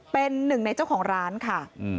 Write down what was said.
เป็นหนึ่งในเจ้าของร้านค่ะ